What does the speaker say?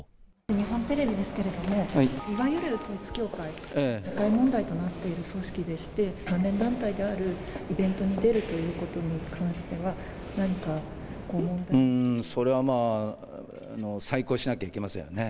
日本テレビですけれども、いわゆる統一教会、社会問題となっている組織でして、関連団体であるイベントに出るということに関しては、それはまあ、再考しなきゃいけませんよね。